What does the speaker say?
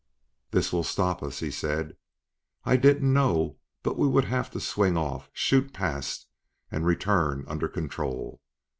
"This will stop us," he said. "I didn't know but we would have to swing off, shoot past, and return under control.